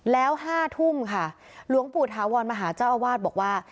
แล้ว๕ทุ่มค่ะหลวงปู่ถาวรมาหาเจ้าอาวาสบอกว่า